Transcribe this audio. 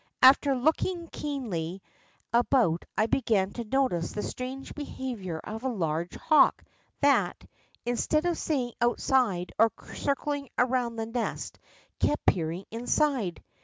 After looking keenly about I began to notice the strange behavior of a large hawk that, instead of staying outside or circling around the nest, kept peering inside.